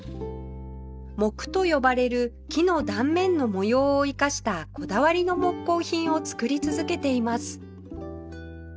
杢と呼ばれる木の断面の模様を生かしたこだわりの木工品を作り続けています